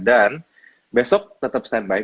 dan besok tetap stand by